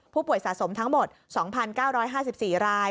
ผู้ป่วยสะสมทั้งหมด๒๙๕๔ราย